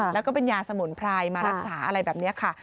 แล้วก็เป็นยาสมุนไพรมารักษาอะไรแบบนี้ค่ะ